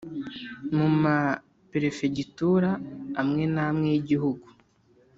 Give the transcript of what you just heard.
mu maperefegitura amwe n'amwe y'igihugu